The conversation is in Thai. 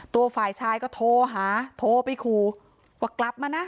ตัวฝ่ายชายก็โทรหาโทรไปขู่ว่ากลับมานะ